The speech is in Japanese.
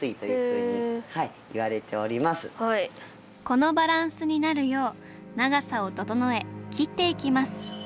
このバランスになるよう長さを整え切っていきます。